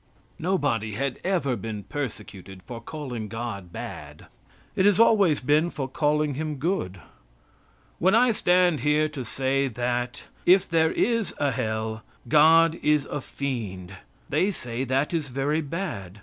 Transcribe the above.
Nobody had ever been persecuted for calling God bad it has always been for calling him good. When I stand here to say that, if there is a Hell, God is a fiend, they say that is very bad.